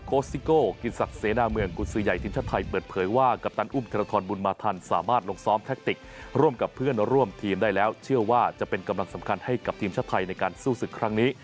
ซิโก้กิจศักดิ์เสนาเมืองกุศือใหญ่ทีมชาติไทยเปิดเผยว่ากัปตันอุ้มธนทรบุญมาทันสามารถลงซ้อมแทคติกร่วมกับเพื่อนร่วมทีมได้แล้วเชื่อว่าจะเป็นกำลังสำคัญให้กับทีมชาติไทยในการสู้ศึกครั้งนี้